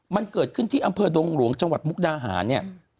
มันเกิดขึ้นที่อำเภอดงหลวงจังหวัดมุกดาหารเนี่ย